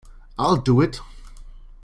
I'll do it.